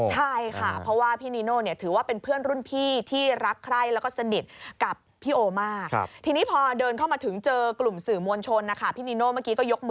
ใช่ค่ะเพราะว่าพี่นีโน่เนี่ยถือว่าเป็นเพื่อนรุ่นพี่ที่รักไคร้แล้วก็สนิทกับพี่โอมาก